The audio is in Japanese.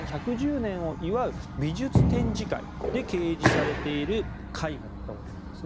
１１０年を祝う美術展示会で掲示されている絵画だったわけです。